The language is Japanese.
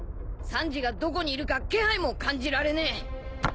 サンジがどこにいるか気配も感じられねえ。